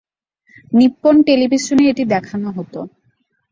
Nippon টেলিভিশনে এটি দেখানো হতো।